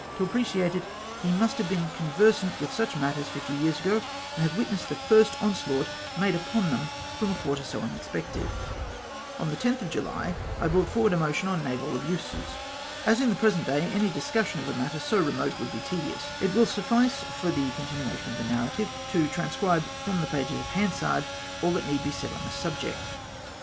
To appreciate it he must have been conversant with such matters fifty years ago, and have witnessed the first onslaught made upon them from a quarter so unexpected. On the 10th of July, I brought forward a motion on naval abuses. As in the present day any discussion of a matter so remote Avould be tedious, it will suffice for the continuation of the narrative to transcribe from the pages of Hansard all that need be said on the subject.